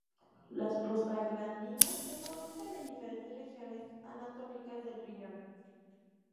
Las prostaglandinas se producen en diferentes regiones anatómicas del riñón.